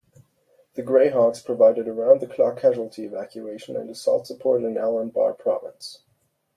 The Greyhawks provided around-the-clock casualty evacuation and assault support in Al Anbar Province.